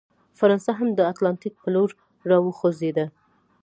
فرانسه هم اتلانتیک په لور راوخوځېده.